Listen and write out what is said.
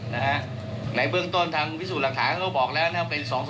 นะฮะไหนเบื้องต้นทางวิสูจน์หลักถามเค้าบอกล่ะเนี่ยว่าเป็น๒๒๓